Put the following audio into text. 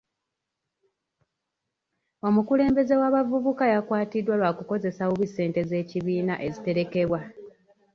Omukulembeze w'abavubuka yakwatiddwa lwa kukozesa bubi ssente z'ekibiina eziterekebwa.